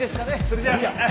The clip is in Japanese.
それじゃあ。